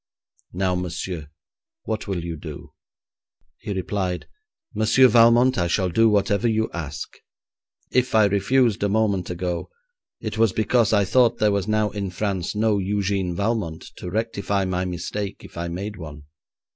Now, monsieur, what will you do?' He replied, 'Monsieur Valmont, I shall do whatever you ask. If I refused a moment ago, it was because I thought there was now in France no Eugène Valmont to rectify my mistake if I made one.'